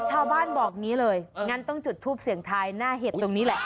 ชาวบ้านบอกอย่างนี้เลยงั้นต้องจุดทูปเสียงทายหน้าเห็ดตรงนี้แหละ